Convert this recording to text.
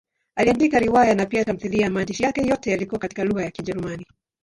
Aliandika riwaya na pia tamthiliya; maandishi yake yote yalikuwa katika lugha ya Kijerumani.